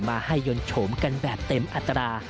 มาให้ยนต์โฉมกันแบบเต็มอัตรา